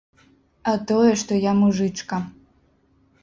А тое, што я мужычка.